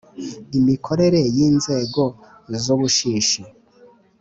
imikorere y ‘inzego z ‘Ubushishi